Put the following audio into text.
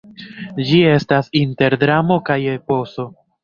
Ĝi estas inter dramo kaj eposo.